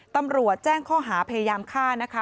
ตำรวจแจ้งข้อหาพยายามฆ่านะคะ